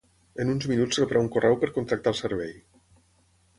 En uns minuts rebrà un correu per contractar el serei.